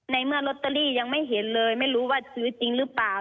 ในเมื่อลอตเตอรี่ยังไม่เห็นเลยไม่รู้ว่าซื้อจริงหรือเปล่า